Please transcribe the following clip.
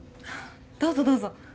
どうぞどうぞ。